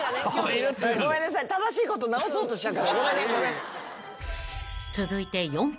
ごめんなさい正しいこと直そうとしちゃうからごめんね。